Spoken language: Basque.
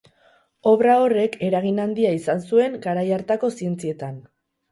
Obra horrek eragin handia izan zuen garai hartako zientzietan.